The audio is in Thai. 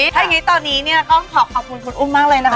ถ้าอย่างนี้ตอนนี้เนี่ยต้องขอขอบคุณคุณอุ้มมากเลยนะคะ